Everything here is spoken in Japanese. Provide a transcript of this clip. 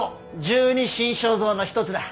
十二神将像の一つだ。